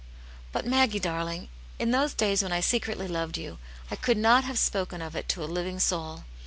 •' But, Maggie darling, in those days when I secretly loved you I could not have spoken of it to a living soul.